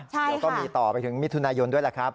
เดี๋ยวก็มีต่อไปถึงมิถุนายนด้วยแหละครับ